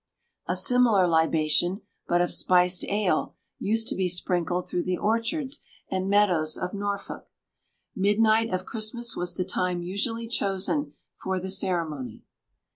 A similar libation, but of spiced ale, used to be sprinkled through the orchards and meadows of Norfolk. Midnight of Christmas was the time usually chosen for the ceremony.